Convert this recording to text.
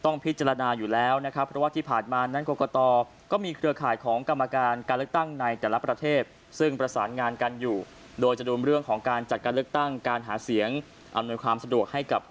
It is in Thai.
แนวโนโยบาลอีกครั้งหนึ่งครับ